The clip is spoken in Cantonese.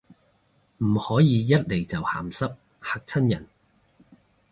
唔可以一嚟就鹹濕，嚇親人